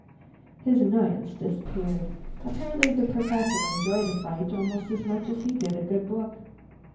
His annoyance disappeared. Apparently the Professor enjoyed a fight almost as much as he did a good book.